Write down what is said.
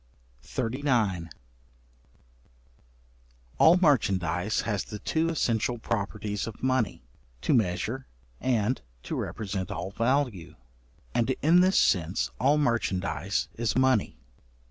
§39. All merchandize has the two essential properties of money, to measure and to represent all value: and in this sense all merchandize is money.